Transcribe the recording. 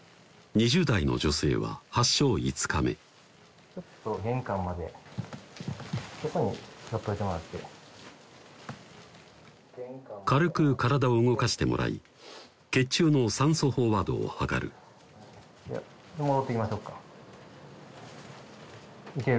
２０代の女性は発症５日目ちょっと玄関までそこに立っといてもらって軽く体を動かしてもらい血中の酸素飽和度を測る戻ってきましょうか行ける？